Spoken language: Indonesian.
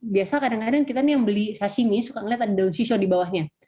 biasa kadang kadang kita yang beli sashimi suka melihat ada daun shisho di bawahnya